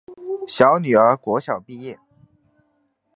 小女儿国小毕业